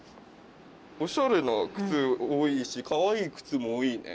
オシャレな靴多いしかわいい靴も多いね。